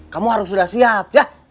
kamu harus sudah siap ya